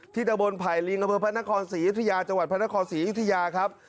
ที่ตะบนไผลริงพศอิทยาจพศอิทยาครับ